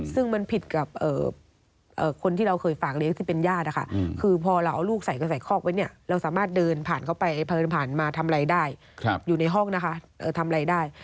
ซึ่งมันผิดกับคนที่เราเคยฝากเลี้ยงที่เป็นญาตินะคะคือพอเราเอาลูกใส่ก็ใส่คอกไว้เนี่ยเราสามารถเดินผ่านเข้าไปผ่านมาทำอะไรได้อยู่ในห้องนะคะทำอะไรได้